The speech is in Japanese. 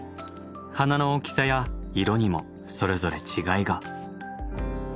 花の大きさや色にもそれぞれ違いが。